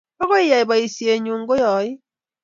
agoi ayai boishenyu koi ain